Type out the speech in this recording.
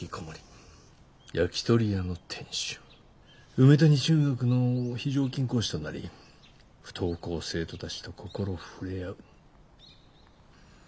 梅谷中学の非常勤講師となり不登校生徒たちと心触れ合う。